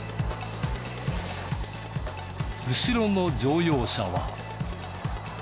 後ろの乗用車は。